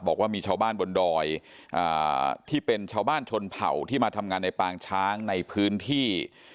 บอกว่ามีชาวบ้านบนดอยที่เป็นชาวบ้านชนเผ่าที่มาทำงานในปางช้างในพื้นที่